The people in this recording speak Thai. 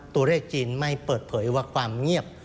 ตัวเลขจีนไม่เปิดเผยว่าความเงียบ